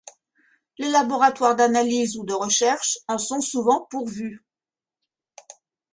Les laboratoires d'analyse ou de recherche en sont souvent pourvus.